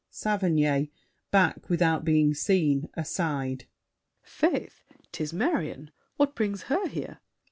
SAVERNY (back, without being seen, aside). Faith, it is Marion! What brings her here?